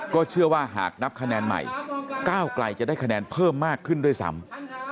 เชื่อว่าหากนับคะแนนใหม่ก้าวไกลจะได้คะแนนเพิ่มมากขึ้นด้วยซ้ำ